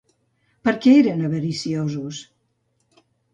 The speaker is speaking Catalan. Per què eren avariciosos?